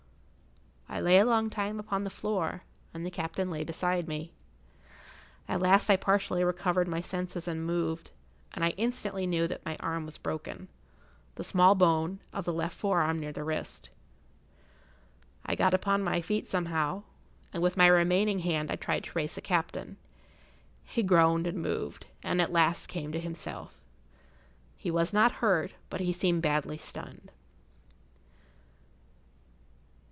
I lay a long time upon the floor, and the captain lay beside me. At last I partially recovered my senses and moved, and I instantly knew that my arm was broken—the small bone of the left forearm near the wrist. I got upon my feet somehow, and with my remaining hand I tried to raise the captain. He[Pg 69] groaned and moved, and at last came to himself. He was not hurt, but he seemed badly stunned.